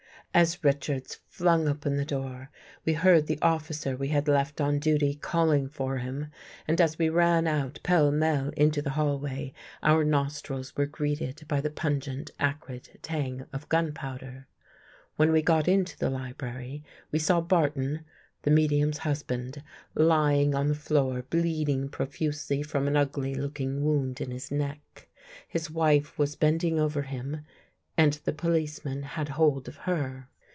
As Richards flung open the door, we heard the officer we had left on duty calling for him, and as we ran out pell mell into the hallway, our nostrils were greeted by the pungent, acrid tang of gun powder. When we got into the library, we saw Barton — the medium's husband, lying on the floor bleeding profusely from an ugly looking wound in his neck. His wife was bending over him and the policeman had hold of her.